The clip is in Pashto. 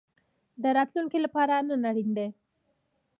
د راتلونکي لپاره نن اړین ده